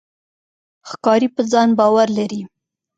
ښکاري په ځان باور لري.